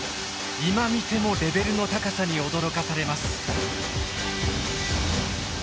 今見てもレベルの高さに驚かされます。